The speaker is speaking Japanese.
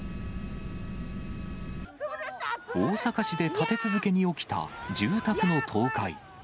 大阪市で立て続けに起きた住宅の倒壊。